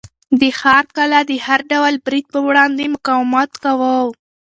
د ښار کلا د هر ډول برید په وړاندې مقاومت کاوه.